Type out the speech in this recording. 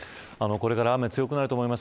これから雨強くなると思います